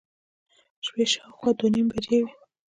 د شپې شاوخوا دوه نیمې بجې وې.